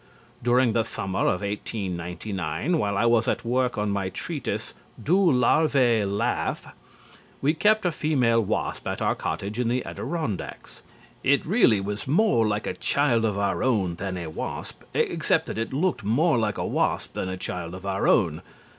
During the summer of 1899, while I was at work on my treatise "Do Larvae Laugh," we kept a female wasp at our cottage in the Adirondacks. It really was more like a child of our own than a wasp, except that it looked more like a wasp than a child of our own.